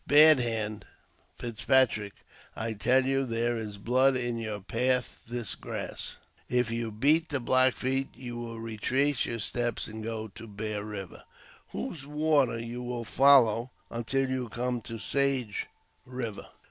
Bad Hand (Fitzpatrick), I tell you there is blood in your path this grass. If you beat the Black Feet, you will retrace your steps and go to Bear Eiver, I 96 AUTOBIOGBAPEY OF whose water you will follow until you come to Sage Eiver.